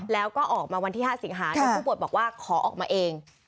แล้วก็ออกมาวันที่๕สิงหาผู้ป่วยบอกว่าขอออกมาเอง